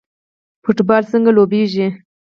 فوټبال څنګه لوبیږي؟